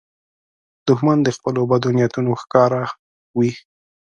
دښمن د خپلو بدو نیتونو ښکار وي